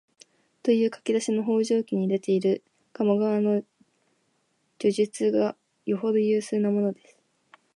という書き出しの「方丈記」に出ている鴨川の叙述がよほど有数なものです